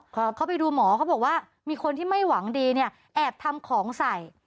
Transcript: เขาไปดูหมอเขาบอกว่ามีคนที่ไม่หวังดีเนี่ยแอบทำของใส่